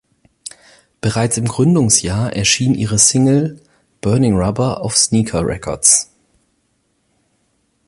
Bereits im Gründungsjahr erschien ihre Single "Burning Rubber" auf Sneaker Records.